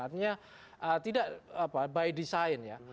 artinya tidak by design ya